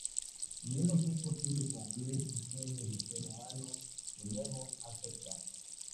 Viendo que es posible cumplir su sueño de ser humano de nuevo, acepta.